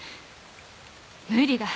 無理だ。